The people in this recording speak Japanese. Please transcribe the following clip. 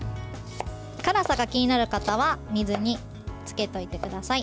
辛さが気になる方は水につけておいてください。